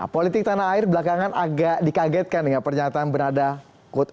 politik tanah air belakangan agak dikagetkan dengan pernyataan berada